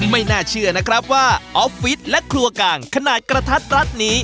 ไม่น่าเชื่อนะครับว่าออฟฟิศและครัวกลางขนาดกระทัดรัดนี้